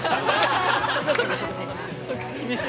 厳しい。